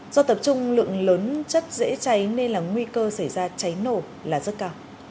do tập trung lượng lớn chất dễ cháy nên là nguy cơ xảy ra cháy nổ là rất cao